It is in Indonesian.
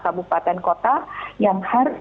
kabupaten kota yang harus